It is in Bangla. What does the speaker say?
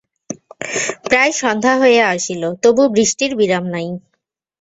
প্রায় সন্ধ্যা হইয়া আসিল, তবু বৃষ্টির বিরাম নাই।